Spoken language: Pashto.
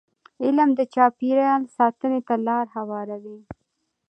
علم د چاپېریال ساتنې ته لاره هواروي.